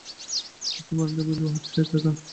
নিচের বারান্দায় বিলু হাঁটছে একা-একা।